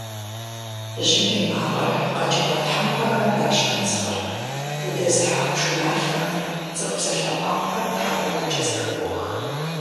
Жьым и макъыр, къэкӀыгъэ тхьэмпэхэм я щхъынцхъыр, удэзыхьэх пшыналъэхэр, цӀыху псалъэмакъхэр тхьэкӀумэкӀэ зэхыбох.